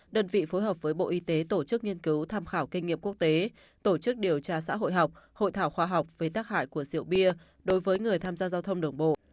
đơn vị phối hợp với bộ y tế tổ chức nghiên cứu tham khảo kinh nghiệm quốc tế tổ chức điều tra xã hội học hội thảo khoa học về tác hại của rượu bia đối với người tham gia giao thông đường bộ